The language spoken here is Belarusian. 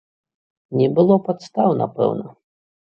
Не было падстаў, напэўна.